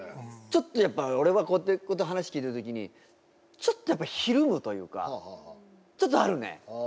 ちょっとやっぱ俺はこうやって話聞いた時にちょっとやっぱひるむというかちょっとあるね。